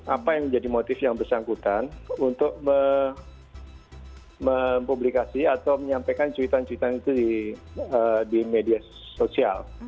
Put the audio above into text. apa yang menjadi motif yang bersangkutan untuk mempublikasi atau menyampaikan cuitan cuitan itu di media sosial